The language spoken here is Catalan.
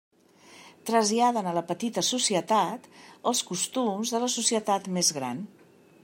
Traslladen a la petita societat els costums de la societat més gran.